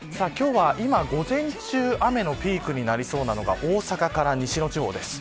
午前中は雨のピークになりそうなのが大阪から西の地方です。